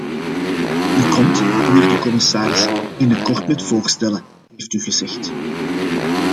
U komt, mijnheer de commissaris, binnenkort met voorstellen heeft u gezegd.